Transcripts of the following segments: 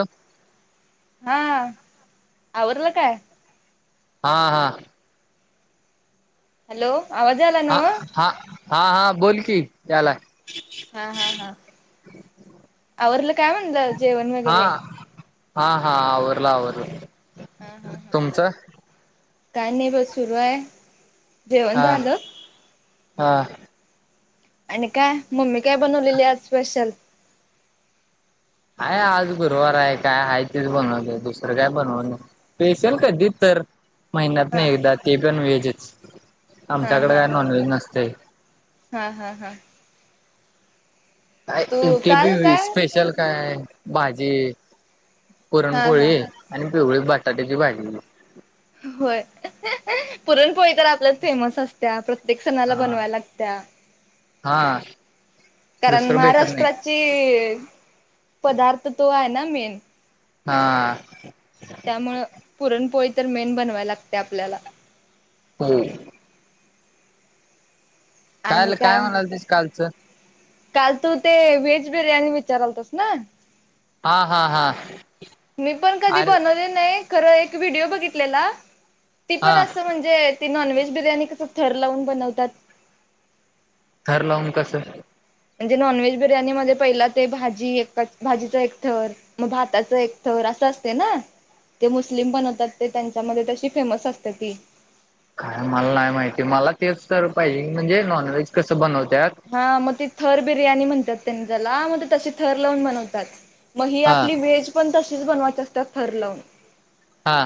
अ [inaudible] हा, आवरलं काय? हा हा. हॅलो, आवाज यायला हा न्हवं? हा, हा हा बोल की याला. हा हा हा, आवरलं का म्हणलं? जेवण हा वगैरे. हा हा, आवरल आवरल. ह ह ह काय नाही बस सुरू आहे. जेवण हा झालं हा. आणि काय मम्मी काय बनवलेली आज स्पेशल? आहे आज गुरुवार आहे काय आहे तेच बनवायले दुसरं काय बनवने. स्पेशल कधी तर. महिन्यातन हा एकदा ते पण व्हेजच, हा आमच्याकडे हा काय नॉन व्हेज नसतेय. हा हा हा. हाय, तू सुटे बी काल वीस काय स्पेशल काय भाजी? हा हा पुरणपोळी आणि पिवळी बटाट्याची भाजी. होय, पुरणपोळी तर आपल्यात फेमस अस त्या प्रत्येक सणाला बनवाय लागत्या. आ, दुसरं बी ए राष्ट्राची पदार्थ तो आहे ना मेन. हां. त्यामुळं पुरणपोळी तर मेन बनवाय लागते आपल्याला. हो. आणि काल काय उम, म्हणाल तेच कालचं काल तू ते व्हेज बिर्याणी विचारालतास ना? हा हा हा. मी पण कधी अरे बनवली नाही, खरं एक व्हिडिओ बघितलेला, ती पण हा असं म्हण जे ती नॉनव्हेज बिर्याणी कसं थर लावून बनवतात थर लावून कसं? म्हणजे नॉन व्हेज बिर्याणी मध्ये पहिला ते भाजी एकच भाजीचा एक थर मग भाताचा एक थर असं असतंय ना? ते मुस्लिम बनवतात ते त्यांच्यामध्ये तशी फेमस असते ती. काय मला नाही माहिती मला तेच तर पाहिजी, म्हणजे नॉनव्हेज कसं बनवत्यात? हा मग ती थर बिर्याणी म्हणत्यात त्यांनी त्याला, मग ते तशी थर लावून बनवतात. मग ही हा आपली व्हेज पण तशीच बनवत असत्यात थर लावून. हा.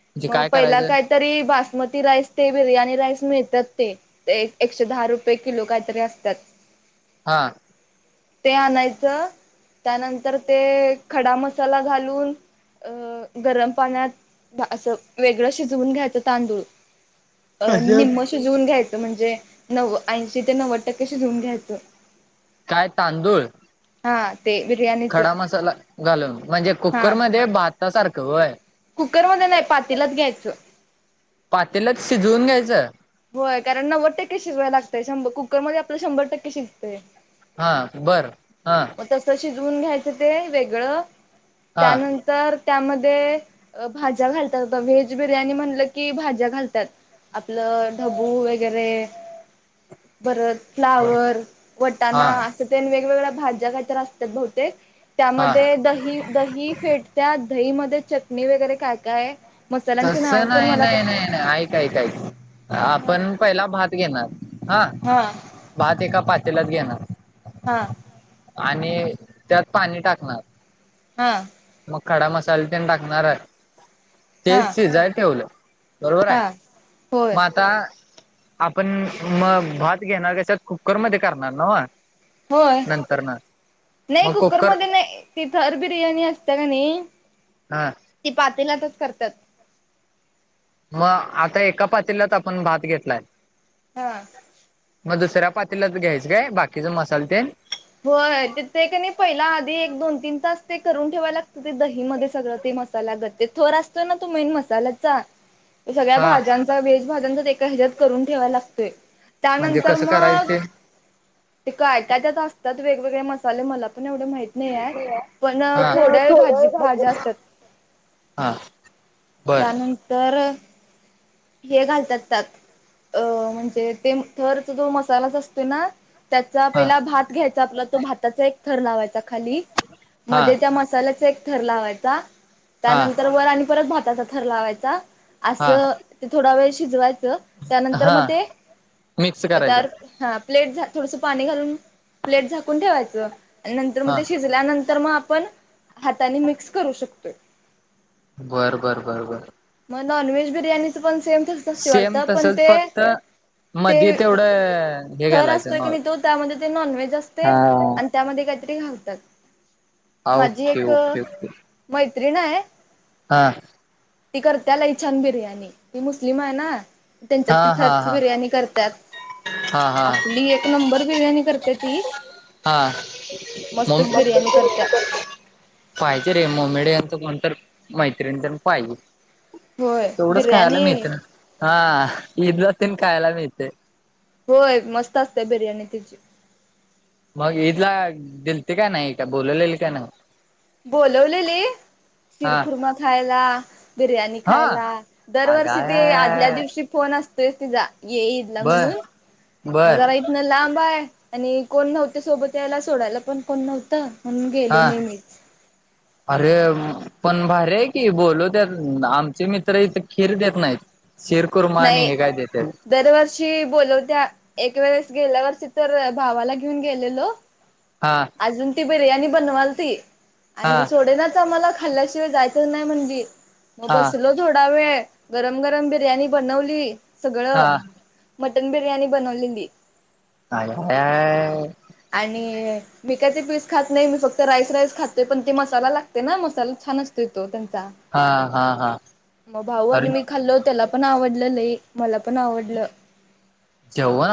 म्हणजे मग काय पहिला करायचं काहीतरी बासमती राईस ते बिर्याणी राईस मिळत्यात ते. ते एक एकशे दहा रुपये किलो काहीतरी असत्यात. हा. ते आणायचं त्यानंतर ते खडा मसाला घालून अ... गरम पाण्यात धा असं वेगळं शिजवून घ्यायचं तांदूळ, अ... कशात निम्म शि शिजवून घ्यायचं, म्हणजे नव्व ऐंशी ते नव्वद टक्के शिजवून घ्यायचं. काय, तांदूळ? हांत. ते बिर्याण खडा मसाला घालून, म्हणजे हा कुकरमध्ये भाता सारखं होय. कुकरमध्ये नाही, पातिल्यात घ्यायचं. पातेल्यात शिजवून घ्यायचं? होय, कारण नव्वद टक्के शिजवाय लागतंय, शंभ कुकरमध्ये आपलं शंभर टक्के शिजतंय. हां, बरं हां. मग तसं शिजवून घ्यायचं ते वेगळं हा त्यानंत तर त्यामध्ये अ... भाज्या घालतात बघ, व्हेज बिर्याणी म्हणलं की भाज्या घालतात. आपलं ढबू वगैरे बरत फ्लावर, हा वटाणा असं तेन वेगवेगळ्या भाज्या काय तर असत्यात बहुतेक. हा त्यामध्ये दही, दही फेटत्या दही मध्ये चटणी वगैरे काय काय आहे. तसं नाही नाही नाही नाही, ऐक ऐक ऐक हा आपण पहिला भात घेणार, आं. हा. भात एका पातेल्यात घेणार. हा. आणि त्यात पाणी टाकणार हा. मग खडा मसाला तेन टाकणार आहे हा तेच शिजाय ठेवलंय. बरोबर आहे, हा होय मग आता आपण मग भात घेणार कशात कुकरमध्ये करणार न हो. होय नंतर नाही मग कुकर कुकरमध्ये नाही ती थंर बिर्याणी असते का नाही हा. ती पातेलातच करत्यात. म आता एका पातील्यात आपण भात घेतलाय. हा. मग दुसऱ्या पातेल्यात घ्यायचं काय बाकीचा मसाल तेन? होय तेत कनी पहिला आधी एक दोन तीन तास ते करून ठेवाय लागतं ते दहीमध्ये सगळं. ते मसालागत ते थोरा असतो ना तो मेन मसालाचा सगळ्या हा भाज्यांचा वेज भाज्यांचा एका हेज्यात करून ठेवाला लागतोय. म्हणजे त्यानंतर कसं करायचं मग ते ते काय काय त्यात असतात वेगवेगळे मसाले पण एवढं माहित नाही आहेत पण हा थोड्या भाजीत भाज्या असत्यात. हा. बर त्यानंतर हे घालतात त्यात अ म्हणजे ते थरचा जो मसालाच असतोय ना त्याचा हा पहिला भात घ्यायचा आपला तो भाताचा एक थर लावायचा खाली हा मध्ये त्या म साल्याचा एक थर लावायचा हा त्यानंतर वर आणि परत भाताचा थर लावायचा हा असं ते थोडा वेळ शिजवायचं त्यानंतर हा मग ते मिक्स करायचं त्यावर हा प्लेट झा थोडसा पाणी घालून प्लेट झाकून ठेवायचं. आणि नंतर म हा ते शिजल्यानंतर मग आपण हाताने मिक्स करू शकतोय. बर बर बर बर. म नॉनव्हेज बिर्याणीचं पण सेम ते तच ते सेम वाढतं पण तसच ते फक्त ते मध्ये तेवढं हे थर घालायचं असतोय की नॉ नाही तो त्यामध्ये ते नॉनव्हेज असते हा आणि त्यामध्ये काहीतरी घालतात. माझी ओके एक ओके ओके मैत्रिण आहे हा. ती करत्या लय छान बिर्याणी ती मुस्लिम आहे ना. हा त्यांच्यात ती हा थरची हा बिर्याणी हा करत्यात हा असली एक क नंबर बिर्याणी करते ती. हा मम मस्तच बिर्याणी करत्या. पाहिजे रे मोमेडीयनचा कोणतर मैत्रिण तेन पाहिजे. होय तेवढच खायला बिर्याणी मिळते ना हा ईद ला तेन खायला मिळते. होय मस्त असते बिर्याणी तिची. मग ईदला दिलते काय नाही त्या बोलवलले का नाही? बोलवलेली हा शीरखुर्मा खायला, बिर्याणी हा खायला अ दरवर्षी काय ते आदल्या दिवशी फोन असतोय तिचा ये ईदला बर म्हणून. म बर जरा इथनं लांब आहे आणि कोण नव्हते सोबत यायला सोडायला पण कोण नव्हतं. म्हणून गेलो नाही मीच. अर्रे म. पण भारी आहे की बोलोवत्यात, आमचे मित्र इथ खिर देत नाहीत शिर- - कुर्मा आणि नाही हे काय देतात. दरवर्षी बोलवत्यात. एक वेळेस गेल्या वर्षी तर भावाला घेऊन गेलेलो. हा. अजून ती बिर्याणी बनवाल ती, आणि हा सोडेनाच. ती तर मला खाल्ल्याशिवाय जायचंच नाही म्हणली, मग हा बसलो थोडा वेळ गरम-गरम बिर्यानी बनवली हा सगळं, मटण बिर्याणी बनवलेली. आयाया.... आणि. मी काही ते पीस खात नाही, मी फक्त राईस-राईस खातोय, पण ते मसाला लागते ना मसाला छान असतोय तो त्यांचा. हा हा हा मग भाऊ आणि अरे मी खाल्ल, त्याला पण आवडलं लई मला पण आवडलं. जेवण,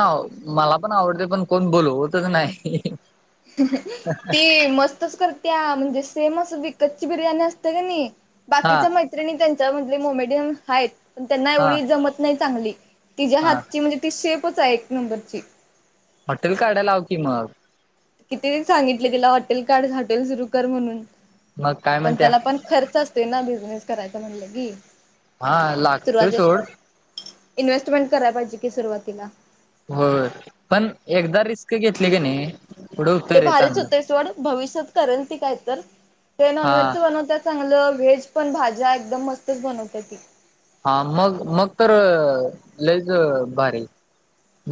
मला पण आवडते, पण कोण बोलवतच नाही. ती मस्तच करतेया, म्हणजे सेम अस विकत ची बिर्याणी असते कनी. हा बाकीच्या मैत्रिणी त्यांच्या मधले मोमेडियम आहेत. पण त्यांना हा एवढी जमत नाही चांगली. तिच्या हा हातची म्हणजे ती शेपच आहे एक नंबरची. हॉटेल काढाय लाव की मग. किती वेळा सांगितले तिला. हॉटेल काढ, हॉटेल सुरू कर म्हणून, मग काय पण म्हणत्या त्याला पण खर्च असते ना, बिझनेस करायचा म्हणलं की. हा लागतोय सुरुवातीला सोड. इन्व्हेस्टमेंट कराय पाहिजे की सुरुवातीला. होय. पण एकदा रिस्क घेतली का नाही. पुढं होतंय ते रे भारीच चांगलं होतय सोड. भविष्यात करेल ती काय तर, ते हा नॉनव्हेजच बनवत्यात चांगलं व्हेज पण, भाज्या एकदम मस्तच बनवत ती. हा मग मग तर अं, लयच अं भारी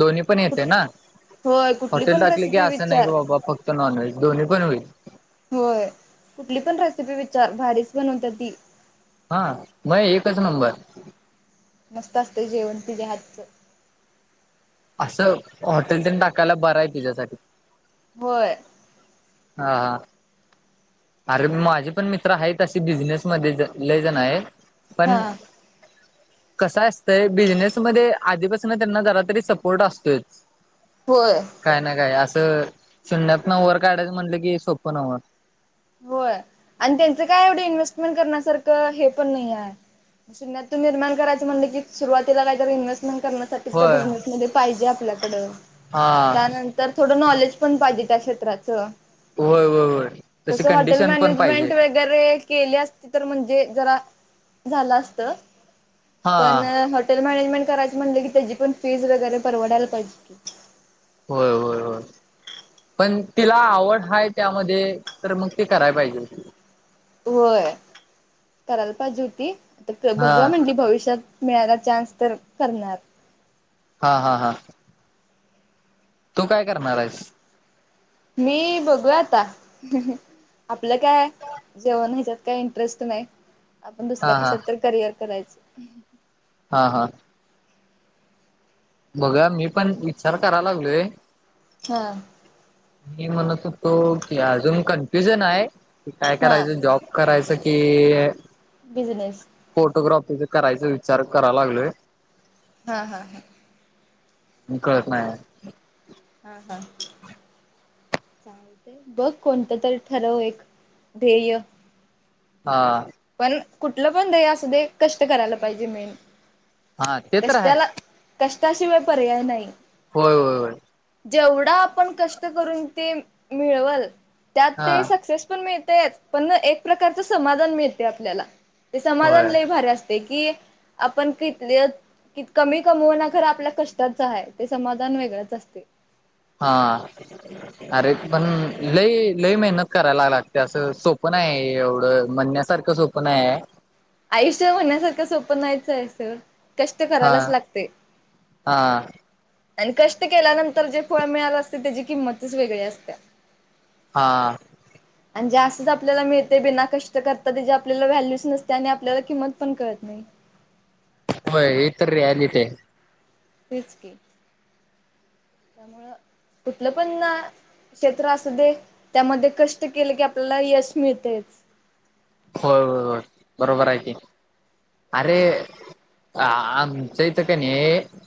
दोन्ही पण येते कुठ ना. होय कुठली हॉटेल पण टाकले की रेसिपी असं नाही की विचार बाबा, फक्त नॉनव्हेज दोन्ही पण होईल. होय कुठली पण रेसिपी विचार. भारीच बनवते ती. हा होय एकच नंबर. मस्त अस्तय जेवण तिज्या हातचं. असं, हॉटेल तेन टाकायला बरं तुझ्यासाठी. होय. हा हा. अरे माझे पण मित्र आहेत तशी, बिझनेसमध्ये पण लईजण आहेत. हा पण, कस असतंय बिझनेसमध्ये आधीपासून त्यांना जरा तरी सपोर्ट असतोय. होय. काय ना काय असं, शून्यातनं वर काढायचं म्हणलं की सोपं नव्ह. होय. आणि त्यांच काय एवढे इन्व्हेस्टमेंट करण्यासारखं हे पण नाही आहे. शून्यात तू निर्माण करायच म्हणलं की, सुरुवातीला काही इनव्हेस्टमेंट करन [unintelligible] होय बिजनेस मध्ये पाहिजे आपल्याकडं हा त्यानतर तर थोडं नॉलेज पण पाहिजे. त्या क्षेत्राचं. होय-होय-होय. तसं हाॅटेल मॅनेजमेंट वेग वगैरे केली असते तर म्हणजे, जरा झाला असतं. हा पण हॉटेल मॅनेजमेंट करायच म्हणलं की, त्याची पण फीज वगैरे परवडायला पाहिजे. होय होय होय! पण तिला आवड हाय त्यामध्ये, तर मग ते कराय पाहिजे. होय करायला पाहिजे होती आता हा बघा म्हणली भविष्यात. मिळाला चान्स तर करणार. हा हा हा! तू काय करणार आहेस? मी बघूया आता आपलं काय! जेवण ह्यांच्यात काही इंटरेस्ट नाही, आपण हा दुसऱ्या हा कशात तरी करिअर करायच. हा हा! बघुया मी पण विचार करायला लागलोये. हा! मी म्हणत होतो की अजून कन्फ्युजन हायं, की काय हा करायचं जॉब करायचं की. बिजनेस. फोटोग्राफीचं करायचं विचार कराय लागलोय. हा हा‌ हा! न कळत नाय! हां हां! सांगतेय बघ कोणतं तरी ठरव एक ध्येय. हा! पण कुठलं पण ध्येय असू दे, कष्ट करायला पाहिजे मेन हा ते तर आहे कष्टाला कष्टाशिवाय पर्याय नाही. होय होय! होय जेवढं आपण कष्ट करून ते मिळवंल! त्यात हा ते सक्सेस पण मिळतेच, पण एक प्रकारच समाधान मिळते आपल्याला. ते होय समाधान लयी भारी असते, कि आपण कितलीयत. कि कमी कमवण खरं आपल्या कष्टाचं आहे, ते समाधान वेगळंच असतंय. हा! अरे पण लई लयी मेहनत करायला लागती, असं सोप नाही आहे एवढं म्हणण्यासार इतकं सोप नाही आहे. आयुष्य म्हणण्यासारखं सोपं नाहीच आहे असं कष्ट हा करायलाच लागतंय. हा! आणि कष्ट केल्यानंतर जे फळ मिळालं असतं त्याची किंमतच वेगळी असत्या. हा! [inaudible] आणि जे असचं आपल्याला मिळतंय बिना कष्ट करता, तेची आपल्याला व्हॅल्यूच नसते आणि आपल्याला किंमत पण कळत नाही. व्हय ही तर रियालीटी आहे. तेच की! त्यामुळं कुठलं पण ना! क्षेत्र असूदे त्यामध्ये कष्ट केलं की आपल्याला यश मिळतंयचं. होय होय होय, बरोबर आहे की अरे! आ आमच्या हितं क नी.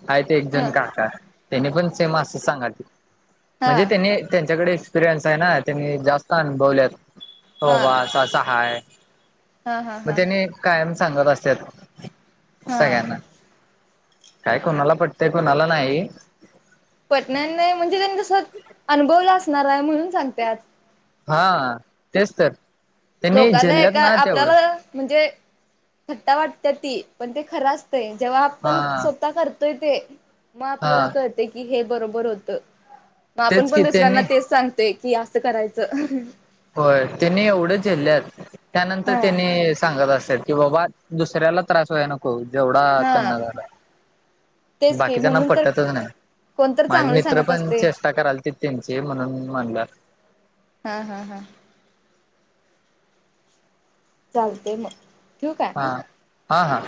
आहेत हा एकजण काका त्यांनी पण सेम असं सांगालती. हा म्हणजे हा त्यांनी त्यांच्याकडेच. एक्सपिरियन्स आहे ना त्यांनी जास्त अनुभवलयात, हो बाबा हा अस अस आहे. हा मग हा हा त्यांनी कायम सांगत असतात हा सगळ्यांना. काय कोणाला पटतंय कोणाला नाही. पटणार नाही म्हणजे त्यांनी तसं अनुभवलं असणार आहे म्हणून सांगत्यात. हा तेच तर. त्यांनी लोकांना झेलल्यात एका ना तेवढं आपल्याला म्हणजे-‍- थट्टा वाटतीया ती पण ते खरं असतंय जेव्हा हा आपण स्वतः करतोय ते मग हा आपल्याला कळतंय की हे आपलं बरोबर होतं मग आपण तेच पण की दुसऱ्यांना त्यांनी तेच सांग ते की असं करायचं. होय, त्यांनी एवढं झेलल्यात त्यानंतर हा. त्यांनी सांगत असत्यात. कि बाबा दुसऱ्याला त्रास व्होय नको जेवढा हा त्यांना झालाय. तेच की बाकीच्यांना म्हणून तर पटतंच नाही. कोणतर माझी चांगलं मित्र सांगत पण असते. चेष्टा करालतेत त्यांची म्हणून म्हणलं. हा हा हा. चालतंय मग ठेवू काय? हा हा.